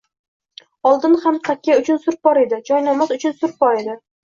Oldin ham takya uchun surp bor edi. Joynamoz uchun surp bor edi.